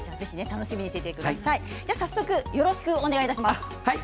早速よろしくお願いいたします。